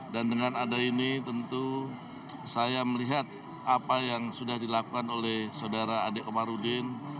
dan dengan ada ini tentu saya melihat apa yang sudah dilakukan oleh saudara adik omarudin